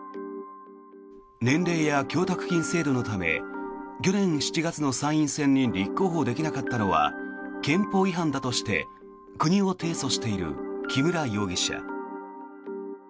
年齢や供託金制度のため去年７月の参院選に立候補できなかったのは憲法違反だとして国を提訴している木村容疑者。